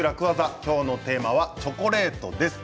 今日のテーマはチョコレートです。